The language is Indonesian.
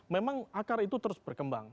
memang akar itu terus berkembang